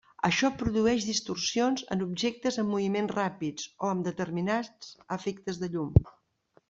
Això produeix distorsions en objectes amb moviments ràpids o amb determinats efectes de llum.